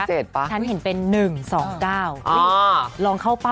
เราเหมือน๗ปะ